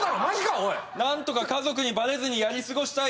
何とか家族にバレずにやりすごしたい。